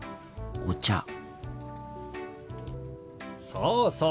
そうそう。